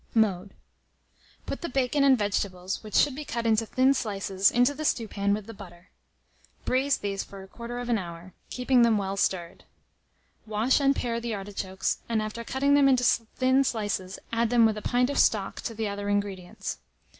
Mode. Put the bacon and vegetables, which should be cut into thin slices, into the stewpan with the butter. Braise these for 1/4 of an hour, keeping them well stirred. Wash and pare the artichokes, and after cutting them into thin slices, add them, with a pint of stock, to the other ingredients.